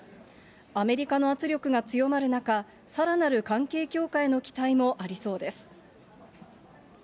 アメリカの圧力が強まる中、さらなる関係強化への期待もありそうです。